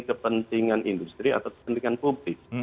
kepentingan industri atau kepentingan publik